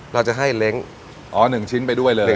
เราจะให้เล้งอ๋อ๑ชิ้นไปด้วยเลย